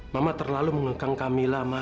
mama terlalu mengekang kamila ma